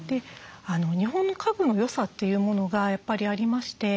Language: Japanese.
日本の家具の良さというものがやっぱりありまして